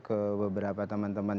ke beberapa teman teman